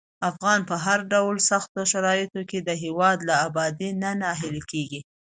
افغانان په هر ډول سختو شرايطو کې د هېواد له ابادۍ نه ناهیلي کېږي.